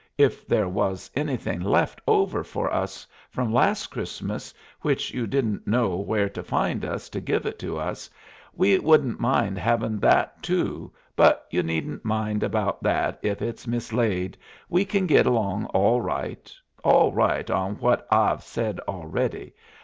if there wass anything lefft ovvur for us from lass crissmis wich you dident kno ware to find us to giv it to us we wuddent mind havin that two but you needent mind about that if its misslayde we can git along all rite all rite on whot ive sed alreddy.